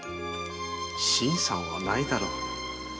“新さん”はないだろう。